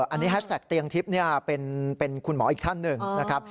อันนี้แฮชแท็กเตียงทิพย์เป็นคุณหมออีกท่านหนึ่งนะครับ